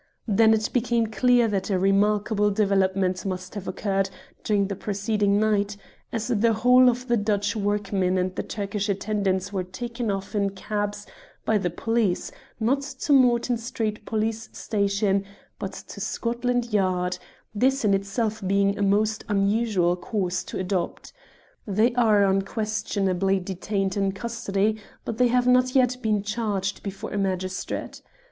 "Then it became clear that a remarkable development must have occurred during the preceding night, as the whole of the Dutch workmen and the Turkish attendants were taken off in cabs by the police, not to Morton Street Police Station, but to Scotland Yard; this in itself being a most unusual course to adopt. They are unquestionably detained in custody, but they have not yet been charged before a magistrate.